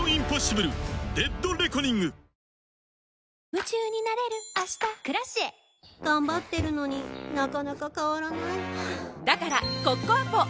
夢中になれる明日「Ｋｒａｃｉｅ」頑張ってるのになかなか変わらないはぁだからコッコアポ！